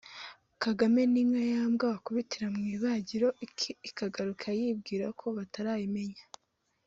“Kagame ni nka ya mbwa bakubitira mw’ Ibagiro ikagaruka yibwira ko batarayimenya”